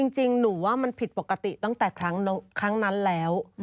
จริงหนูว่ามันผิดปกติตั้งแต่ครั้งนั้นแล้ว